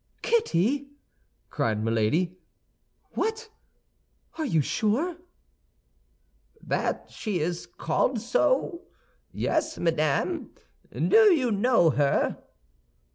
"Kitty!" cried Milady. "What? Are you sure?" "That she is called so? Yes, madame. Do you know her?"